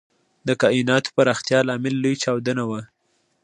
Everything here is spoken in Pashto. د کائناتو پراختیا لامل لوی چاودنه وه.